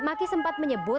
maki sempat menyebut